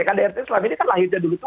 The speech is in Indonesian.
kdrt selama ini kan lahirnya dulu tuh